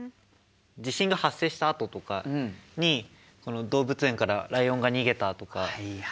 地震が発生したあととかにこの「動物園からライオンが逃げた！」とか。